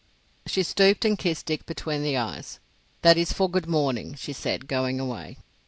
She stooped and kissed Dick between the eyes. "That is for good morning," she said, going away.